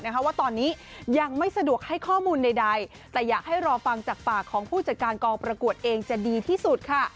ว่าตอนนี้ยังไม่สะดวกให้ข้อมูลใดแต่อยากให้รอฟังจากปากของผู้จัดการกองประกวดเองจะดีที่สุดค่ะ